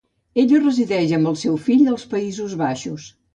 Ella resideix amb el seu fill als Països Baixos.